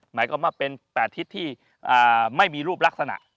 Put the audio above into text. หมายความว่าเป็น๘ทิศที่ไม่มีรูปลักษณะ